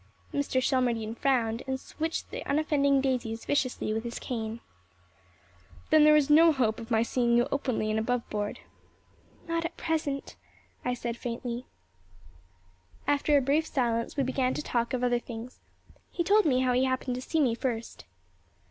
Mr. Shelmardine frowned and switched the unoffending daisies viciously with his cane. "Then there is no hope of my seeing you openly and above board?" "Not at present," I said faintly. After a brief silence we began to talk of other things. He told me how he happened to see me first.